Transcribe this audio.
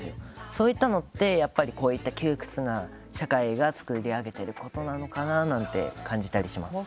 そういったものってこういった窮屈な社会が作り上げてることなのかなって感じたりします。